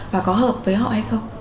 và có hợp với họ hay không